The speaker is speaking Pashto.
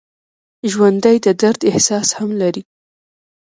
ژوندي د درد احساس هم لري